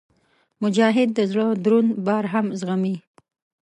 مجاهد د زړه دروند بار هم زغمي.